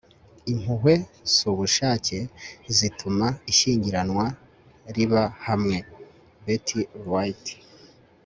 impuhwe, si ubushake, zituma ishyingiranwa riba hamwe. - betty wright